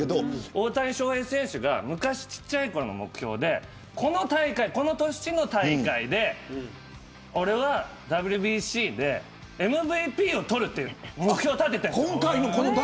大谷翔平選手が小さいころの目標でこの年の大会で俺はＷＢＣでＭＶＰをとると目標を立てていたんです。